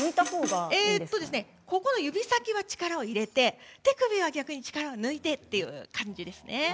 指先の力を入れて手首は逆に力を抜いてっていう感じですね。